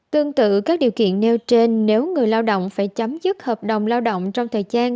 tương tự các điều kiện nêu trên nếu người lao động phải chấm dứt hợp đồng lao động trong thời gian